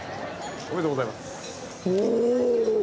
・おめでとうございますおおっ！